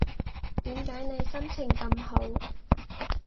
點解你心情咁好